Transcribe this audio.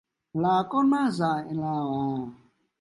là con ma dại nào à